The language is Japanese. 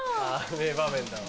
名場面だわ。